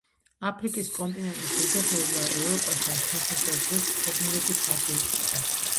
აფრიკის კონტინენტის შეჯახება ევროპასთან ხმელთაშუა ზღვის ფორმირებით დაგვირგვინდა.